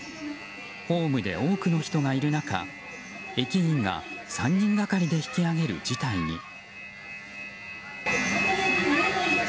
ホームで多くの人がいる中駅員が３人がかりで引き上げる事態に。